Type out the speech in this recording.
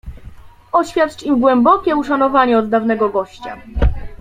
"Oświadcz im głębokie uszanowanie od dawnego gościa."